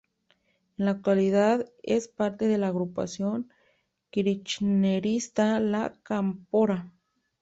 En la actualidad es parte de la agrupación kirchnerista La Cámpora.